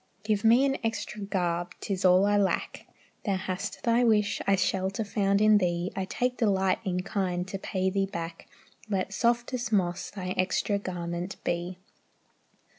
Give me an extra garb, 'tis all I lack." "Thou hast thy wish, I shelter found in thee, I take delight in kind to pay thee back. Let softest moss thy extra garment be."